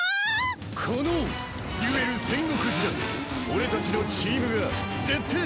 このデュエル戦国時代俺たちのチームがぜってぇ